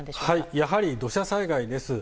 やはり土砂災害です。